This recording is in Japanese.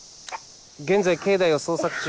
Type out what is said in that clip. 現在境内を捜索中。